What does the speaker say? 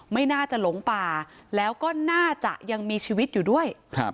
ไม่น่าจะหลงป่าแล้วก็น่าจะยังมีชีวิตอยู่ด้วยครับ